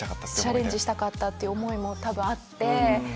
チャレンジしたかったって思いも多分あって。